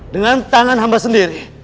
dengan tangan hamba sendiri